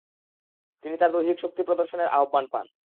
তিনি তার দৈহিক শক্তি প্রদর্শনের আহ্বান পান।